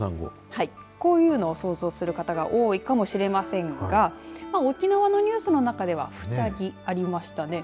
こういうのを想像する方が多いかもしれませんが沖縄のニュースの中ではフチャギありましたね。